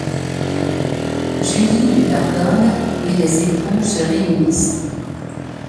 Julie lui pardonne et les époux se réunissent.